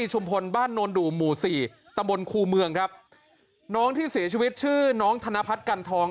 บ้านโนนดูหมู่สี่ตะบนครูเมืองครับน้องที่เสียชีวิตชื่อน้องธนพัฒน์กันทอง